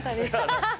ハハハ！